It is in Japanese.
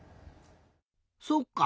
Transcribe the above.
そっか！